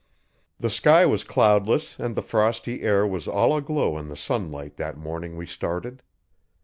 The sky was cloudless, and the frosty air was all aglow in the sunlight that morning we started.